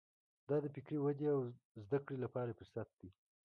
دا د فکري ودې او زده کړې لپاره فرصت دی.